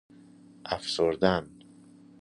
افسردن